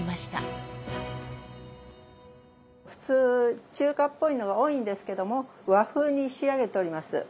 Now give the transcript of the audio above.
普通中華っぽいのが多いんですけども和風に仕上げております。